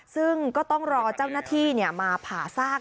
ซึ่งก็ต้องรอเจ้าหน้าที่มาผ่าซาก